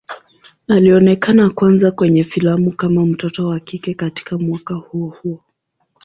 Alionekana kwanza kwenye filamu kama mtoto wa kike katika mwaka huo huo.